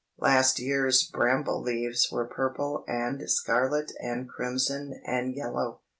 Last year's bramble leaves were purple and scarlet and crimson and yellow.